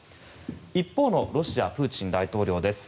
一方のロシアプーチン大統領です。